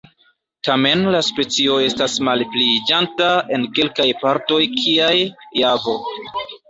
Tamen la specio estas malpliiĝanta en kelkaj partoj kiaj Javo.